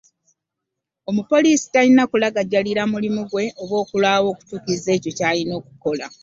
Omupoliisi talina kulagajjalira mulimu ggwe, oba okulwaawo okutuukiriza ekyo kyalina okukola.